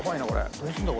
どうすんだ？